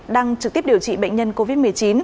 đang trực tiếp điều trị bệnh nhân covid một mươi chín